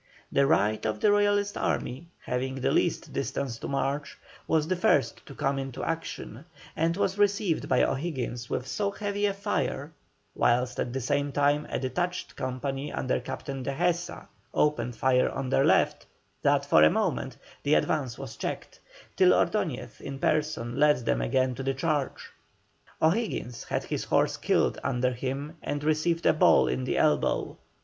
The right of the Royalist army, having the least distance to march, was the first to come into action, and was received by O'Higgins with so heavy a fire, whilst at the same time a detached company under Captain Dehesa opened fire on their left, that for a moment the advance was checked, till Ordoñez in person led them again to the charge. O'Higgins had his horse killed under him and received a ball in the elbow.